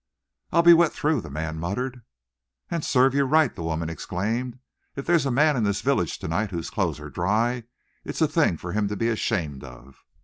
"I'll be wet through," the man muttered. "And serve you right!" the woman exclaimed. "If there's a man in this village to night whose clothes are dry, it's a thing for him to be ashamed of."